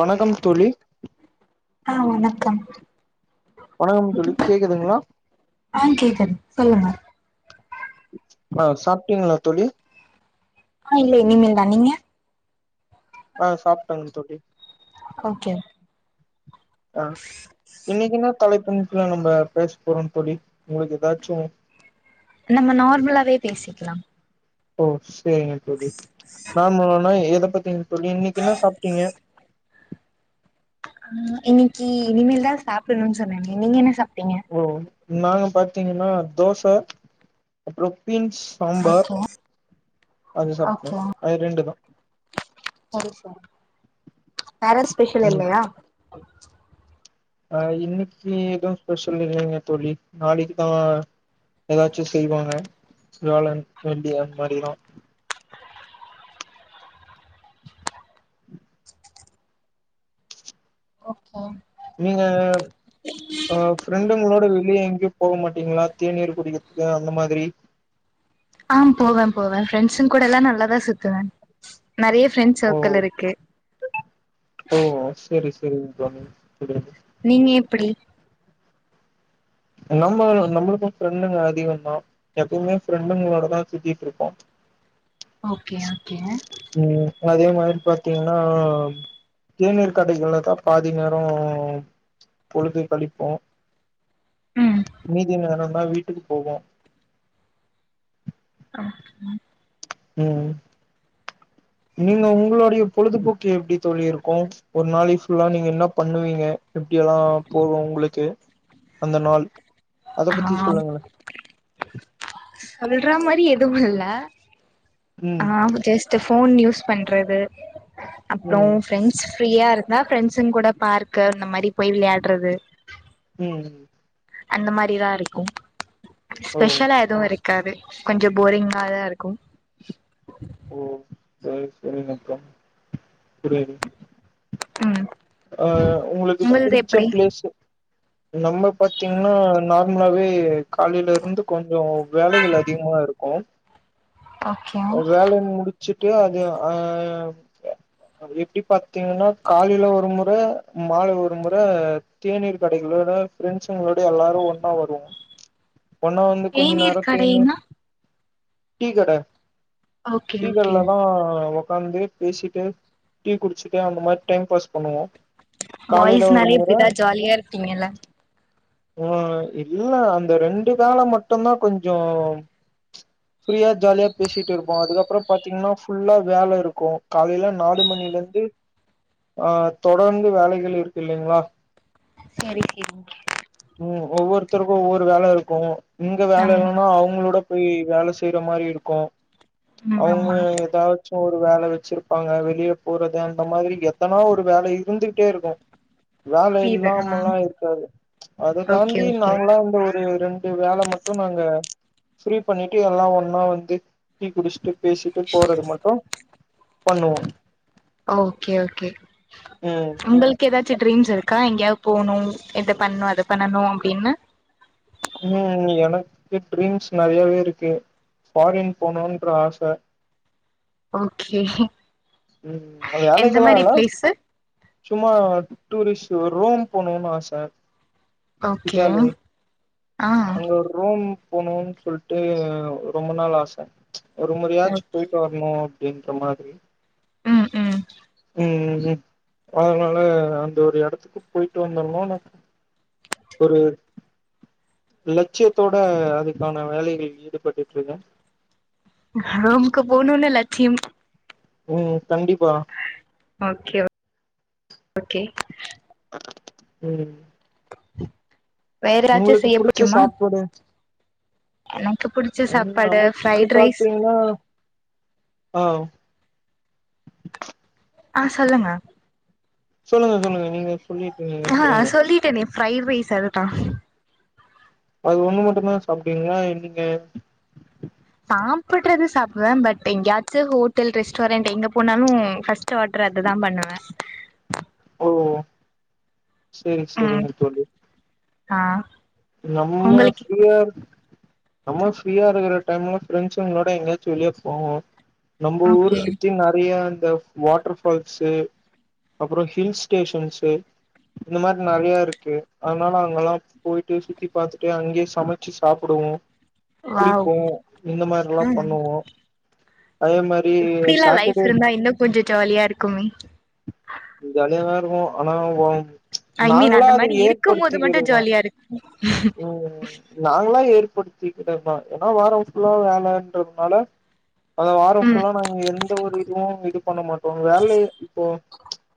வணக்கம் தோழி ஆ வணக்கம் வணக்கம் தோழி கேக்குதுங்ளா ஆ கேக்குது சொல்லுங்க ஆ சாப்ட்டீங்ளா தோழி ஆ இல்ல இனிமேல்தா நீங்க ஆ சாப்ட்டேங்க தோழி ஓகே ஆ இன்னைக்கு என்னாத் தலைப்புன்ட்ல நம்ப பேசப் போறோந் தோழி உங்ளுக்கு எதாச்சு நம்ம நார்மலாவே பேசிக்லா ஓ சேரிங்கத் தோழி நார்மலானா எதப் பத்தீங் தோழி இன்னைக்கி என்னா சாப்ட்டீங்க ஆ இன்னைக்கி இனிமேல்தா சாப்பின்னுன் சொன்னனே நீங்க என்ன சாப்ட்டீங்க ஓ நாங்க பாத்தீங்கனா தோச அப்றோ பீன்ஸ் சாம்பார் ஓகே அது சாப்ட்டே ஓகே அது ரெண்டுதா [inaudible] வேற எது ஸ்பெஷல் ம் இல்லையா அ இன்னைக்கி எது ஸ்பெஷல் இல்லைங்கத் தோழி நாளைக்குதா எதாச்சு செய்வாங்க வியாழன் வெள்ளி அது மாரிதா ஓகே நீங்க [unintelligible] அ ஃப்ரெண்டுங்களோட வெளிய எங்கியுப் போக மாட்டீங்ளா தேநீர் குடிகத்துக்கு அந்த மாதிரி ஆம் போவே போவே ஃப்ரெண்ட்ஸ்சுங் கூட எல்லா நல்லாதா சுத்துவே நெறைய ஃப்ரெண்ட் ஓ ஓ சேரி சேரி [unintelligible] நீங்க எப்டி நம்ம நம்மளுக்கு ஃப்ரெண்டுங்க அதிகந்தா எப்பியிமே ஃப்ரெண்டுங்களோடதா சுத்திட்ருப்போ ஓகே ஓகே ம் அதே மாரி பாத்தீங்னா தேநீர் கடைகள்லதா பாதி நேரோ பொழுது கழிப்போ ம் மீதி நேரோந்தா வீட்டுக்கு போவோ ஓகேங்க ம் நீங்க உங்ளுடைய பொழுதுபோக்கு எப்டி தோழி இருக்கு ஒரு நாளைக் ஃபுல்லா நீங்க என்னாப் பண்ணுவீங்க எப்டி எல்லா போகு உங்ளுக்கு அந்த நாள் பத்தி ஆ சொல்லுங்களே சொல்றா மாரி எதுவு இல்ல ம் ஆ ஜஸ்ட்டு ஃபோன் யூஸ் பண்றது அப்றோ ம் ஃப்ரெண்ட்ஸ் ஃப்ரீயா இருந்தா ஃப்ரெண்ட்ஸ்சுங் கூட பார்க்கு அந்த மாரி போய் விளையாட்றது ம் அந்த மாரிதா இருக்கும் ஓ ஸ்பெஷலா எது இருக் க்காது கொஞ்சம் போரிங்காதா இருக்கும் ஓ செரி செரி நக்கம் புரிது ம் அ உங்ளுக்கு உங்கள்து புடிச்ச எப்டி பிளேஸ்சு நம்ம பாத்திங்னா நார்மலாவே காலைலருந்து கொஞ்சோ வேலைகள் அதிகமா இருக்கு ஓகே ஒரு வேலய முடிச்சுட்டு அது அ எப்டி பாத்தீங்னா காலைல ஒரு முற மாலை ஒரு முற தேநீர் கடைகளோட ஃபிரெண்ட்ஸுங்களோட எல்லாரு ஒன்னா வருவோ ஒன்னா வந்து கொஞ்சோ நேரோ தேநீர் தேநீ கடைனா டீ கடை ஓகே ஓகே டீக்கடைல தா ஒக்காந்து பேசிட்டு டீ குடிச்சிட்டு அந்த மாரி டைம் பாஸ் பண்ணுவோ காலையில ஒரு பாய்ஸ்னாலே முற இப்டிதா ஜாலியா இருப்பீங்கல்ல அ இல்ல அந்த ரெண்டு கால மட்டுந்தா கொஞ்சோ ஃப்ரீயா ஜாலியா பேசிட்டு இருப்போ அதுக்கப்றோ பாத்தீங்னா ஃபுல்லா வேல இருக்கு காலைல நாலு மணிலந்து ஆ தொடர்ந்து வேலைகள் இருக்கு இல்லைங்களா செரி சேரிங்க ம் ஒவ்வொருத்தருக்கு ஒவ்வொரு வேல இருக்கு இங்க வேல ஆமா இல்லன்னா அவங்களோட போய் வேல செய்ற மாரி இருக்கு ம் அவுங்க ஆமா எதாச்சு ஒரு வேல வச்சிரு ப்பாங்க வெளிய போறது அந்த மாதிரி எதனா ஒரு வேல இருந்துகிட்டே இருக்கு வேல புரியுது ஆ இல்லாமலா இருக்காது அத ஓகே தாண்டி ஓகே நாங்ளா இந்த ஒரு ரெண் டு வேல மட்டு நாங்க ஃபிரீ பண்ணிட்டு எல்லா ஒன்னா வந்து டீ குடிச்சுட்டு பேசிட்டு போறது மட்டு பண்ணுவோ ஆ ஓகே ஓகே ம் உங்குளு க்கு எதாச்சு ட்ரீம்ஸ் இருக்கா எங்யாது போணு இது பண்ணு அது பண்ணனு அப்டின்னு ம் எனக்கு ட்ரீம்ஸ் நறையாவே இருக்கு ஃபாரின் போனுன்ற ஆச ஓகே ம் எந்த வேலைக்கெலா மாரி இல்ல பிளேஸு சும்மா டூரிஸ்ட் ரோம் போணுனு ஆச ஓகே இட்டாலி ஆ அங்க ஒரு ரோம் போனுன் சொல்ட்டு ரொம்ப நாள் ஆச ஒரு முறயாச்சு ஓகே போயிட்டு வர னு அப்டின்ற மாதிரி ம் ம் ம் ம் அதனால அந்த ஒரு எடத்துக்கு போயிட்டு வந்துட்ணுனு ஒரு லட்சியத்தோட அதுக்கான வேலைகள் ஈடுபட்டுட்ருக்கே ரோம்க்கு போணுன்னு லட்சியம் ம் கண்டிப்பா ஓகே ஓகே ம் வேற ஏதாச்சு உங்குளுக்கு செய்ய புடிச்ச புடிக்குமா சாப்பாடு எனக்கு புடிச்ச ம் சாப்பாடு நமக்கு ஃப்ரைட் ரைஸ் பாத்திங்னா ஆ ஆ சொல்லுங்க சொல்லுங்க சொல்லுங்க நீங்க சொல்லி ஆ சொல்லிட்டனே ஃப்ரைட் ரைஸ் அதுதா அது ஒன்னு மட்டுந்தா சாப்ட்டீங்ளா என்னங்க சாப்புட்றது சாப்டுவே பட் எங்யாச்சு ஹோட்டல் ரெஸ்டாரன்ட் எங்க போனாலு ஃபஸ்ட் டு ஆட்ரு அதுதா பண்ணுவே ஓ செரி ம் செரிங்க தோழி ஆ நம்ம உங்களுக்கு ஃபிரீயா இருக் நம்ம ஃப்ரீயா இருக்ற டைம்ல ஃப்ரெண்ட்ஸுங்களோட எங்கயாச்சும் வெளிய போவோ. நம்போ ஊர் ஓகே சுத்தி நெறய இந்த வாட்டர் ஃபால்ஸ் அப்றோ ஹில்ஸ் ஸ்டேஷன்ஸ் இந்த மாரி நெறய இருக்கு அதனால அங்கல்லாம் போயி ட்டு சுத்தி பாத்துட்டு அங்கயே சமச்சு சாப்டுவோம் வாவ் குளிப்போம் இந்த மாரில்லாம் பண்ணுவோம் அதே மாரி இப்டிலாம் லைஃப் சாட்டர்டே இருந்தா இன்னும் கொஞ்சோ ஜாலியா இருக்குமே ஜாலியாதா இருக்கும் ஆனா ஒ ச் ஐ மீன் நாங்களா அந்த அத மாரி இருக்கும் போது மட்டு ஏற்படுத்திக்றதுதா [unintelligible] ம் நாங்களா ஏற்படுத்திக்றதுதான் ஏன்னா வாரம் ஃபுல்லா வேலன்றதுனால அந்த வாரம் ம் ஃபுல்லா நாங்க எந்த ஒரு இதுவும் இது பண்ண மாட்டோம் வேலய இப்போ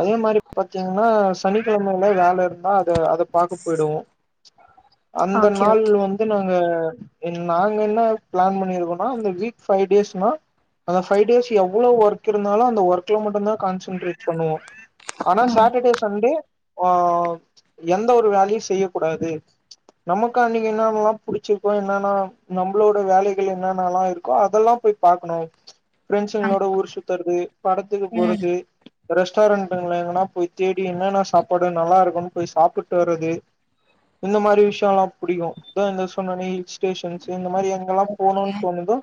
அந்த மாரி பாத்தீங்கன்னா சனிக்கிழமயில வேல இருந்தா அத அத பாக்க போய் டுவோ அந்த ஓகே நாள் ஓகே வந் து நாங்க நாங்க என்ன பிளான் பண்ணிருக்கோம்னா அந்த வீக் பைவ் டேஸ்னா அந்த ஃபைவ் டேஸ் எவ்ளோ ஒர்க் இருந்தாலும் அந்த ஒர்க்ல மட்டும் கான்சன்ட்ரேட் பண்ணுவோம் ஆனா ம் சாட்டர்டே சண்டே ஆ எந்த ஒரு வேலயும் செய்ய கூடாது நமக்கு அன்னக்கி என்னான் ல்லாம் புடிச்சிருக்கோ என்னன்னா நம்பளோட வேலகள் என்னானென்ல்லா இருக்கோ அதெல்லாம் போய் பாக்கணு பிரெண்ட்ஸுங்களோட ஆமா ஊர் சுத்றது படத்துக்கு ம் போறது ரெஸ்டாரண்ட்ங்கள எங்கன்னா போய் தேடி என்னென்ன சாப்பாடு நல்லா இருக்கும்ன்னு போய் சாப்புட்டு வர்றது இந்த மாரி விஷயமெல்லாம் புடிக்கும் இதோ இந்த சொன்னனே ஹில் ஸ்டேஷன்ஸ் இந்த மாரி எங்க எங்கெல்லா ஓகே போனும்னு தோணுதோ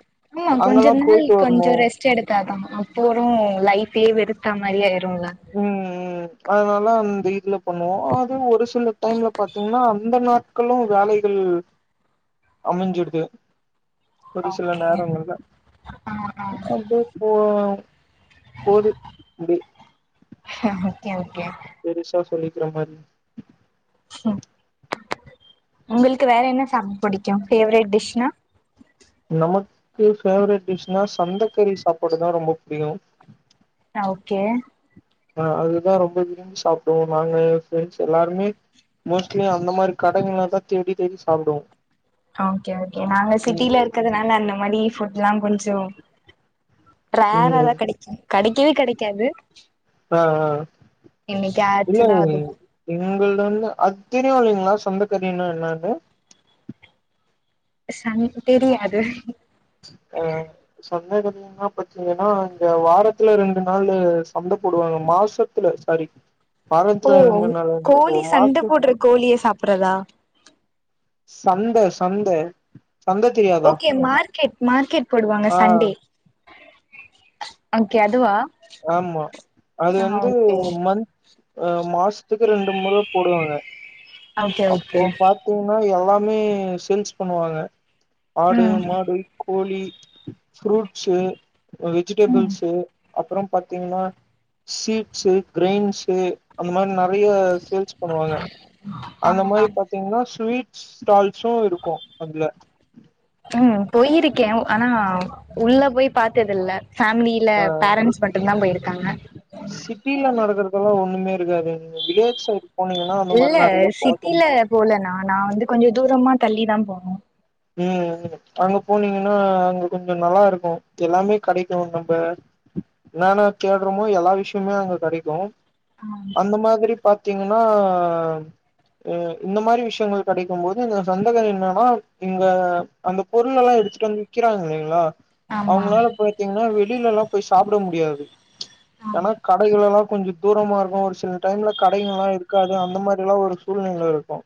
அங்கெல்லா போயிட்டு வரணும் ச்சு எடுத்தா தா அப்புறோ லைஃப்பே வெறுத்தா மாரி ஆயிருல ம்ம் அதனால அந்த இதுல பண்ணுவோம் அது ஒரு சில டைம்ல பாத்தீங்கன்னா அந்த நாட்களும் வேலைகள் அமஞ்சிடுது ஒரு சில ஓகே நேரங்கள்ள ஆ ஆ அப்டியே ஓ போது இடே ஆஹ ஓகே- ஓகே பெருசா சொல்லிக்ற மாரி ஸ்னோ ஒங்களுக்கு வேற என்ன சாப்ட பிடிக்கும் ஃபேவரெட் டிஷ்னா நமக்கு ஃபேவரெட் டிஷ்னா சந்தக்கறி சாப்பாடு தான் ரொம்ப புடிக்கும் நா ஓகே ஆ அதுதான் ரொம்ப விரும்பி சாப்டுவோம் நாங்க ப்ரெண்ட்ஸ் எல்லாருமே மோஸ்ட்லி அந்த மாரி கடங்க ளதான் தேடி தேடி சாப்டுவோம் ஆ ஓகே ஓகே நாங்க சிட்டில இருக்றதுனால அந்த மாரி ஃபுட்ல்லாம் கொஞ்சோ ம் ரேராதான் கடைக்கும் கடைக்கவே கடைக்காது ஆ -ஆ என்னைக்காச்சுதா இல்லங்களே அது எங்கள்ள வந்து அத் தெரியும் இல்லீங்களா சந்தக்கரின்னா என்னாது சந் தெரியாது ஆ சந்தகரின்னா பாத்தீங்கன்னா இங்க வாரத்துல ரெண்டு நாள் சந்த போடுவாங்க மாசத்துல சாரி ஓ வாரத்துல ரெண்டு நாள் அது கோழி இப்ப சண்ட மாசத்து போடுற கோழிய சாப்படுறதா சந்த சந்த சந்த தெரியாதா ஓகே மார்க்கெட் மார்க்கெட் போடுவாங்க ஆ சண்டே ஓகே அதுவா ஆமா அது ஆ வந்து ஓகே மந்த் ஆ மாசத்துக்கு ரெண்டு முற போடுவாங்க ஓகே அப்போ ஓகே பாத்தீங்கன்னா எல்லாமே சேல்ஸ் பண்ணுவாங்க ஆடு ம் மாடு கோழி ஃப்ரூட்ஸு ம் வெஜிடபிள்ஸு அப்புறம் பாத்தீங்கன்னா சீட்ஸ்ஸு கிரென்ஸு அந்த மாறி நெறைய சேல்ஸ் பண்ணுவாங்க ஆ அந்த ஆ மாறி பாத்தீங்கன்னா ஸ்வீட்ஸ் ஸ்டால்ஸு இருக்கும் அதுல ம் போயிருக்கேன் ஆனா உள்ள போய் பாத்ததில்ல ஃபேமிலில ஆ பேரண்ட்ஸ் மட்டுந்தான் போயிருக்காங்க சிட்டில நடக்கறதெல்லா ஒண்ணுமே இருக்காது நீங்க வில்லேஜ் சைடு போனீங்கன்னா அந்த மாறி இல்ல நெறைய பாக்க சிட்டில முடியு போல நா நா வந்து கொஞ்சோ தூரமா தள்ளி தா போனோ ம் ம் அங்க போனீங்கன்னா அங்க கொஞ்சோ நல்லா இருக்கும் எல்லாமே கிடைக்கு நம்ப என்னென்னா தேடுறோமோ எல்லா விஷயமே அங்க கெடைக்கும் ஆ அந்த மாதிரி பாத்தீங்கன்னா அ இந்த மாறி விஷயங்கள் கெடைக்கும் போது இந்த சந்தக என்னான்னா இங்க அந்த பொருள் எல்லா எடுத்துட்டு வந்து விக்கிறாங்க இல்லைங்களா ஆமா அவங்களால போயி த்தீங்கன்னா வெளில எல்லா போய் சாப்பிட முடியாது ஆ ஏன்னா கடைகள் எல்லா கொஞ்ச தூரமா இருக்கும் ஒரு சில டைம்ல கடைகள்லா இருக்காது அந்த மாறி எல்லா ஒரு சூழ்நிலைகள் இருக்கும்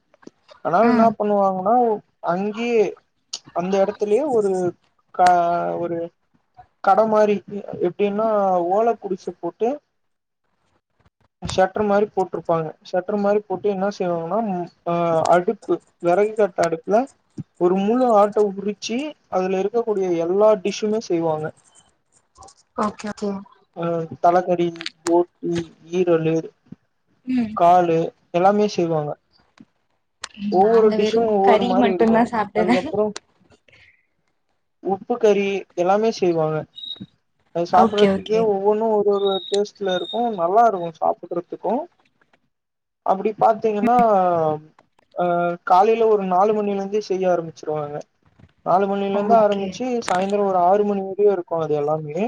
அதனால என்ன ம் பண்ணுவாங்கன்னா அங் கியே அந்த எடத்துலயே ஒரு கா ஒரு கட மாறி எப்படின்னா ஓல குடிச போட்டு ஷட்டர் மாறி போட்டிருப்பாங்க ஷட்டர் மாறி போட்டு என்ன செய்வாங்கன்னா ஆ அடுப்பு வெறகு கட்ட அடுப்புல ஒரு முழு ஆட்ட உரிச்சி அதுல இருக்கக்கூடிய எல்லா டிஷ்ஷூமே செய்வாங்க ஓக்கே ஓகே அ தலக்கறி போட்டி ஈரலு ம் காலு எல்லாமே செய்வாங்க ஒவ்வொரு நாங்க வெறு டிஷ்ஷும் ஒவ்வொரு கறி மாறி மட்டுந்தா இருக்கும் சாப்டுவே அதுக்கபுறம் உப்பு கறி எல்லாமே செய்வாங்க அது ஓகே சாப்பிடுறதுக்கே ஓகே ஒவ்வொன்னு ஒரு ஒரு டேஸ்ட்ல இருக்கும் நல்லா இருக்கும் சாப்பிடுறதுக்கும் அப்படி பாத்தீங்கன்னா அ காலையில ஒரு நாலு மணில இருந்தே செய்ய ஆரம்பிச்சிருவாங்க நாலு மணில இருந்து ஓகே ஆரம்பிச்சி சாயந்திரோ ஒரு ஆறு மணி வரையு இருக்கோ அது எல்லாமே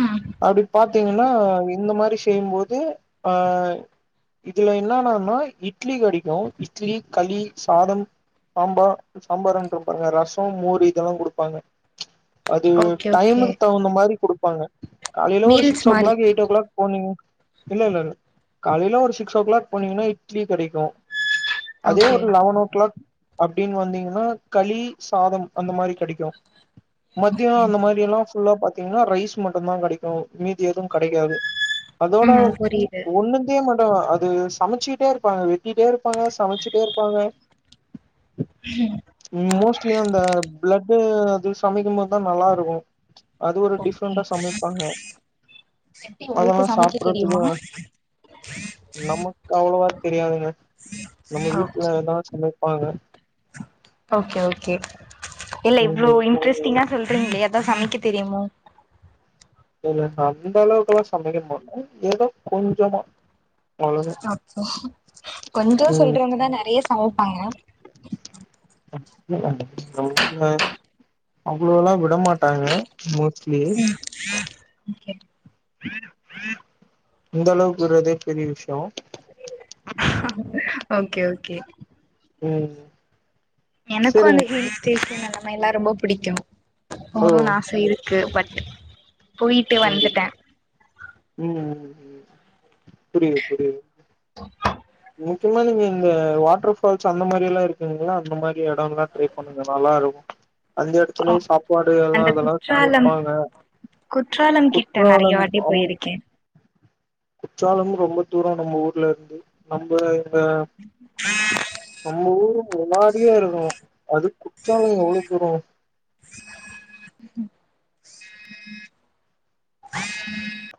ம் அப்படி பாத் த்தீங்கன்னா இந்த மாறி செய்யும்போது ஆ இதுல என்னனன்னா இட்லி கிடைக்கு இட்லி களி சாதம் சாம்பா சாம்பாருன்ர பாருங்க ரசோ மோர் இதெல்லா குடுப்பாங்க அது ஓகே ஓகே டைம்முக்கு தவுந்த மாறி குடுப்பாங்க காலையில ஒரு மீல்ஸ் சிக்ஸ் ஓ மாரி கிளாக் எயிட் ஓ கிளாக் போனீங் இல்லல்ல காலையில ஒரு சிக்ஸ் ஓ கிளாக் போனீங்கன்னா இட்லி கிடைக்கு அதே ஓகே ஒரு லெவன் ஓ கிளாக் அப்படின்னு வந்தீங்கன்னா களி சாதம் அந்த மாறி கெடைக்கும் மத்தியோ ஓகே அந்த மாரியெல்லா ஃபுல்லா பாத்தீங்கன்னா ரைஸ் மட்டுந்தா கடைக்கு மீதி எதுவு கடைக்காது அதோட ம் புரியுது ஒண்ணு நிருத்தே மாட்டாங்க அது சமைச்சிட்டேருப்பாங்க வெட்டிட்டேருப்பாங்க சமைச்சிட்டேருப்பாங்க ம் மோஸ்ட்லி அந்த ப்ளட்டு அது சமைக்கும்போது தா நல்லாருக்கு அது ஒரு ஓகே டிஃப்ரெண்டா சமைப்பாங்க எப்டி உங்களுக்கு அதெல்லா சமைக்க தெரியுமா சாப்புட்றதுக்கு நமக்கு அவ்ளோவா தெரியாதுங்க நம்ம ஓகே வீட்லதா சமைப்பாங்க ஓகே ஓகே இல்ல ம் இவ்ளோ இன்ட்ரெஸ்ட்டிங்கா சொல்றீங்ளே அதா சமைக்க தெரியுமோ இல்லங்க அந்த அளவுக்குல்லா சமைக்க மாட்டோ ஏதோ கொஞ்சமா அவ்ளோதா அப்ப கொஞ்சோ ம் சொல்றவங்கதா நறைய சமைப்பாங்க [unintelligible] அவ்ளோல்லா விட மாட்டாங்க மோஸ்ட்லி ஓகே இந்தளவுக்கு இருக்கறதே பெரிய விஷ்யோ ஓகே ஓகே ம் எனக்கு அந்த சரிங்க ஹில் ஸ்டேஷன் அந்த மேரிலா ரொம்ப புடிக்கு ஓ போணுன்னு ஆச இருக் கு பட் போயிட்டு கண்டிப்பா வந்துட்டே ம் ம் ம் புரியிது புரியிது முக்கியமா நீங்க இந்த வாட்டர் ஃபால்ஸ் அந்த மாரில்லா இருக்குங்ள அந்த மாரி எடோல்லா ட்ரை பண்ணுங்க நல்லாருக்கு அந்த எடத்துலே சாப்பாடு எல்லா அந்த அதெல்லா குற்றாலம் சமைப்பாங்க குற்றாலம் கிட்ட நறைய வாட்டி போயிருக்கே குற்றாலமும் ரொம்ப தூரோ நம்ம ஊர்லருந்து நம்ப எங்க நம்ம ஊரு முன்னாடியே இருக்கணு அது குற்றாலோ எவ்ளோ தூரோ